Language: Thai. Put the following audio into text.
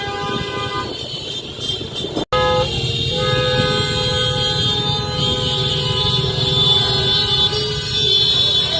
สุดท้ายสุดท้ายสุดท้ายสุดท้าย